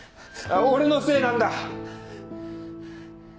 俺のせいなんだ！